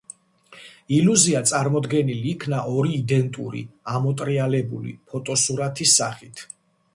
ილუზია წარმოდგენილი იქნა ორი იდენტური ამოტრიალებული ფოტოსურათის სახით.